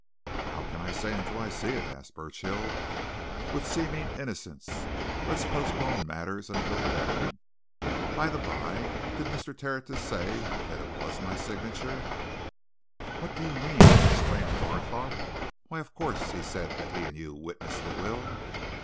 "How can I say until I see it?" asked Burchill, with seeming innocence. "Let's postpone matters until then. By the by, did Mr. Tertius say that it was my signature?" "What do you mean!" exclaimed Barthorpe. "Why, of course, he said that he and you witnessed the will!"